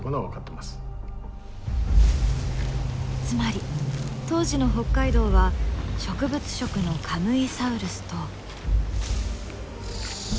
つまり当時の北海道は植物食のカムイサウルスと。